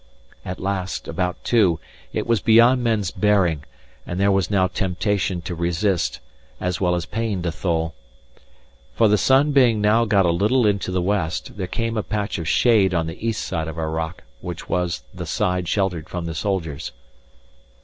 At last, about two, it was beyond men's bearing, and there was now temptation to resist, as well as pain to thole. For the sun being now got a little into the west, there came a patch of shade on the east side of our rock, which was the side sheltered from the soldiers.